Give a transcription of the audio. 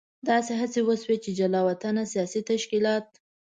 داسې هڅې وشوې چې جلا وطنه سیاسي تشکیلات.